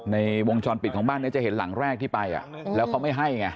ในวงจรปิดของบ้านนี้จะเห็นหลังแรกที่ไปแล้วเขาไม่ให้ไง